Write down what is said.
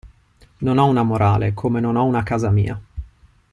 Non ho una morale, come non ho una casa mia.